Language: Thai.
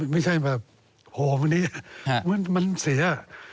ไม่ใช่แบบโหวันนี้มันเสีย